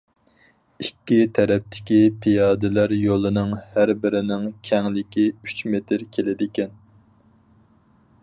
ئىككى تەرەپتىكى پىيادىلەر يولىنىڭ ھەربىرىنىڭ كەڭلىكى ئۈچ مېتىر كېلىدىكەن.